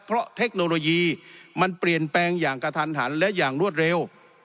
เพราะเทคโนโลยีมันเปลี่ยนแปลงอย่างกระทันหันและอย่างรวดเร็ว